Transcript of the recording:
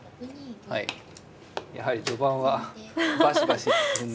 やはり序盤はバシバシ進んで。